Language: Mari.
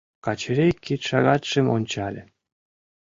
— Качырий кидшагатшым ончале.